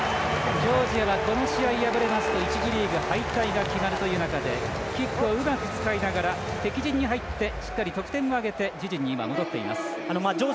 ジョージアはこの試合敗れますと１次リーグ敗退が決まるという中でキックをうまく使いながら敵陣に入ってしっかり得点を挙げて自陣に戻っています。